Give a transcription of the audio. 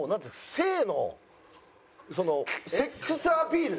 性のそのセックスアピール。